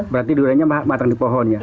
berarti duanya matang di pohon ya